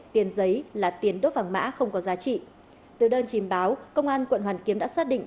tiền giấy là tiền đốt vàng mã không có giá trị từ đơn trình báo công an quận hoàn kiếm đã xác định